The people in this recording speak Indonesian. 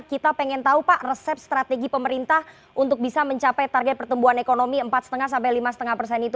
kita pengen tahu pak resep strategi pemerintah untuk bisa mencapai target pertumbuhan ekonomi empat lima sampai lima lima persen itu